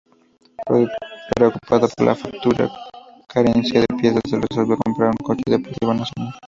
Preocupado por la futura carencia de piezas, el resolvió comprar un coche deportivo nacional.